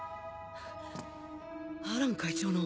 アラン会長の。